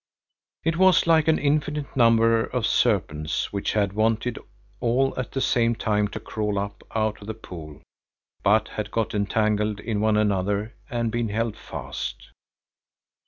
It was like an infinite number of serpents which had wanted all at the same time to crawl up out of the pool but had got entangled in one another and been held fast.